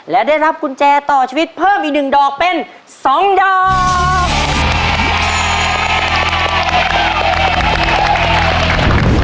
และได้รับกุญแจต่อชีวิตเพิ่มอีก๑ดอกเป็น๒ดอก